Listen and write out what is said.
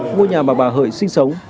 ngôi nhà mà bà hợi sinh sống